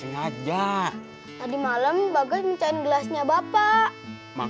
yang lo telfon aja dah